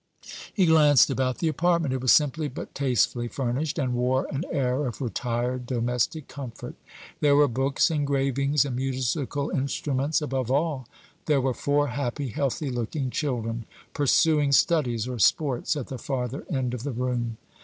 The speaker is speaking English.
He glanced about the apartment. It was simply but tastefully furnished, and wore an air of retired, domestic comfort. There were books, engravings, and musical instruments. Above all, there were four happy, healthy looking children, pursuing studies or sports at the farther end of the room.